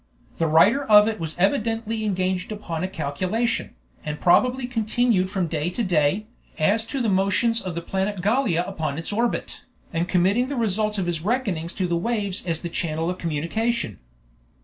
The writer of it was evidently engaged upon a calculation, probably continued from day to day, as to the motions of the planet Gallia upon its orbit, and committing the results of his reckonings to the waves as the channel of communication.